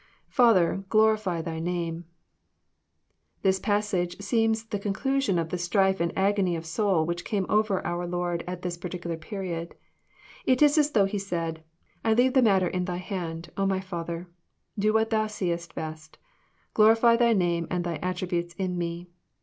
[^Faither, glorify thy name."] This passage seems the conclu sion of the strife and agony of soul which came over our Lord at this particular period. It is as though He said, *' I leave the matter in Thy hand, O My Father. Do what Thou seest best. Glorify Thy name and Thy attributes in Me.